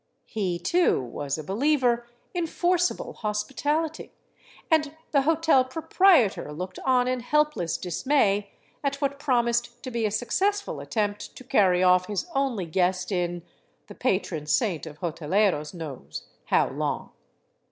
He, too, was a believer in forcible hospitality, and the hotel proprietor looked on in helpless dismay at what promised to be a successful attempt to carry off his only guest in — the patron saint of hoteleros knows how long.